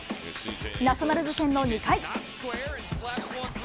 ナショナルズ戦の２回。